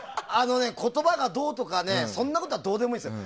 言葉がどうとかそんなことはどうでもいいです。